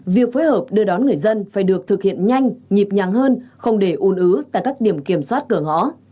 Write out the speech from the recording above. việc phối hợp đưa đón người dân phải được thực hiện nhanh nhịp nhàng hơn không để un ứ tại các điểm kiểm soát cửa ngõ